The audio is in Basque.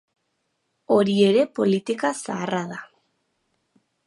Hori ere politika zaharra da.